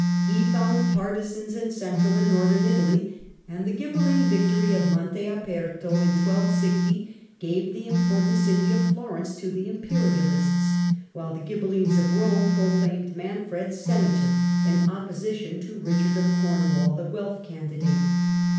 He found partisans in Central and Northern Italy, and the Ghibeline victory of Monte aperto in 1260 gave the important city of Florence to the imperialists, while the Ghibelines of Kome proclaimed Manfred Senator, in opposition to Eichard of Cornwall, the Guelf candidate.